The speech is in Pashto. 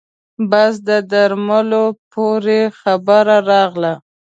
بس د درملو پورې خبره راغله.